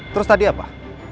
terus tadi apa